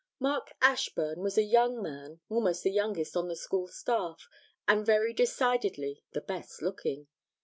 Mark Ashburn was a young man, almost the youngest on the school staff, and very decidedly the best looking.